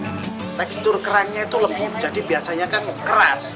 tekstur kerangnya itu lembut jadi biasanya kan keras